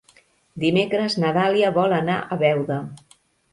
Dimecres na Dàlia vol anar a Beuda.